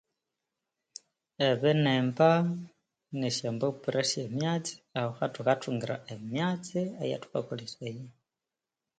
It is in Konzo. Ebinimba nesya mbapura esye myatsi aho hathukathungira emyatsi eya thukakolesaya.